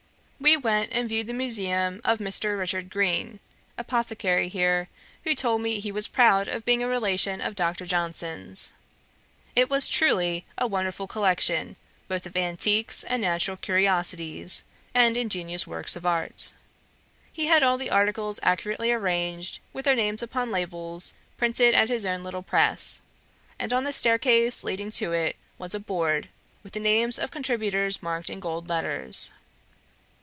We went and viewed the museum of Mr. Richard Green, apothecary here, who told me he was proud of being a relation of Dr. Johnson's. It was, truely, a wonderful collection, both of antiquities and natural curiosities, and ingenious works of art. He had all the articles accurately arranged, with their names upon labels, printed at his own little press; and on the staircase leading to it was a board, with the names of contributors marked in gold letters.